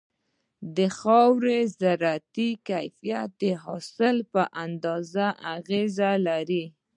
د خاورې زراعتي کيفيت د حاصل په اندازه اغېز لري.